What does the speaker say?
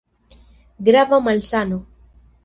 Grava malsano!